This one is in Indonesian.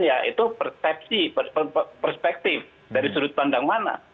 ya itu persepsi perspektif dari sudut pandang mana